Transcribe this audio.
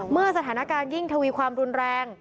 เมื่อสถานการณ์ยิ่งทวีความรุนแรง